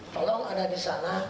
tolong ada di sana